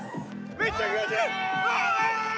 めっちゃ気持ちいい。